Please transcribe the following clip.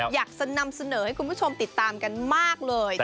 อยากจะนำเสนอให้คุณผู้ชมติดตามกันมากเลย